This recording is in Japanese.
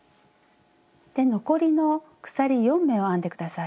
で残りの鎖４目を編んで下さい。